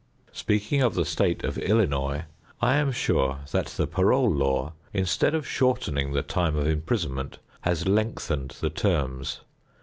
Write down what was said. Speaking of the State of Illinois, I am sure that the parole law, instead of shortening the time of imprisonment, has lengthened the terms.